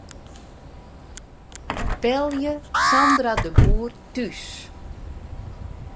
Belje Sandra de Boer thús.